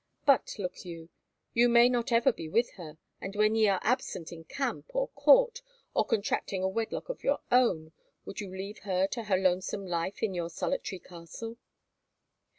But look you, you may not ever be with her, and when ye are absent in camp or court, or contracting a wedlock of your own, would you leave her to her lonesome life in your solitary castle?"